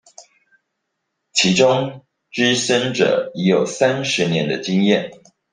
其中資深者已有三十年的經驗